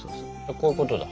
こういうことだ。